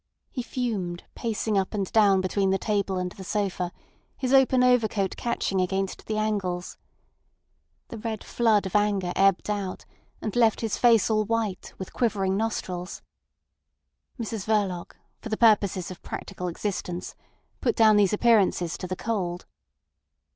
He fumed, pacing up and down between the table and the sofa, his open overcoat catching against the angles. The red flood of anger ebbed out, and left his face all white, with quivering nostrils. Mrs Verloc, for the purposes of practical existence, put down these appearances to the cold.